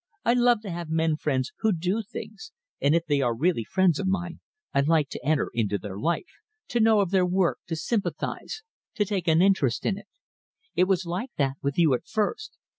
I love to have men friends who do things, and if they are really friends of mine, I like to enter into their life, to know of their work, to sympathise, to take an interest in it. It was like that with you at first.